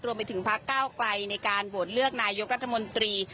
รวมไปถึงพักเก้าไกลในการโหวดเลือกนายยกรัฐมนตรี